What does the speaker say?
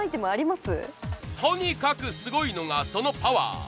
とにかくすごいのがそのパワー。